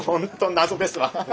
謎ですわ。